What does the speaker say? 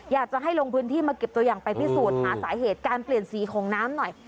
อยากจะให้ลงพื้นที่มาเก็บตัวอย่างไปพิสูจน์หาสาเหตุการเปลี่ยนสีของน้ำหน่อย